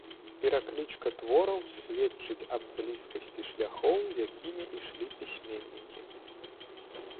Пераклічка твораў сведчыць аб блізкасці шляхоў, якімі ішлі пісьменнікі.